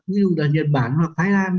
ví dụ là nhật bản hoặc thái lan